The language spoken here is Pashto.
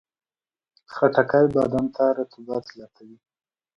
خټکی بدن ته رطوبت زیاتوي.